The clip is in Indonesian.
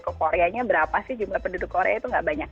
ke koreanya berapa sih jumlah penduduk korea itu nggak banyak